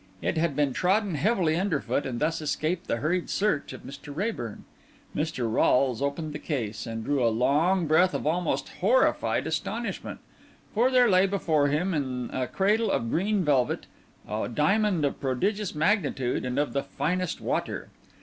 It had been trodden heavily underfoot, and thus escaped the hurried search of Mr. Raeburn. Mr. Rolles opened the case, and drew a long breath of almost horrified astonishment; for there lay before him, in a cradle of green velvet, a diamond of prodigious magnitude and of the finest water.